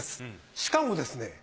しかもですね